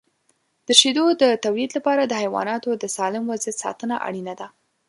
د شیدو د تولید لپاره د حیواناتو د سالم وضعیت ساتنه اړینه ده.